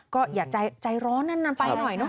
ก็อย่าใจร้อนนานไปหน่อยเนาะ